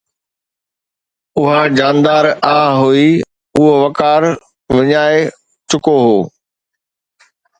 اها جاندار آه هئي، اهو وقار وڃائي چڪو هو